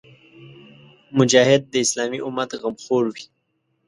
مجاهد د اسلامي امت غمخور وي.